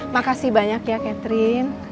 makasih banyak ya catherine